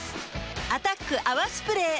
「アタック泡スプレー」